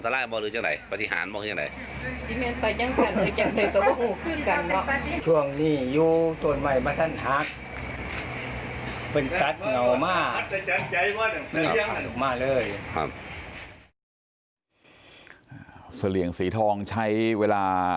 เหลี่ยงสีทองใช้เวลา